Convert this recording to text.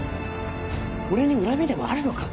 俺に恨みでもあるのか？